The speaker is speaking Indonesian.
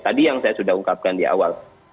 tadi yang saya sudah ungkapkan di awal